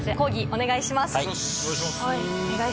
お願いします。